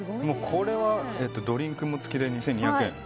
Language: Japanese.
これはドリンク付きで２２００円。